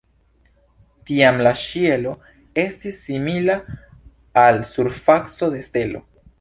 Tiam la ĉielo estis simila al surfaco de stelo.